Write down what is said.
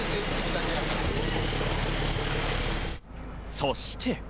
そして。